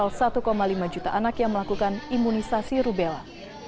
baru sekitar seratus ribu anak dari total satu lima juta anak yang melakukan imunisasi rubella